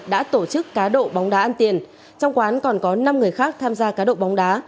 đã tổ chức cá độ bóng đá ăn tiền trong quán còn có năm người khác tham gia cá độ bóng đá